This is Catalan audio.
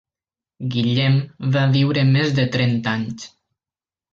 Guillem va viure més de trenta anys.